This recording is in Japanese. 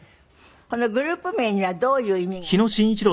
このグループ名にはどういう意味があります？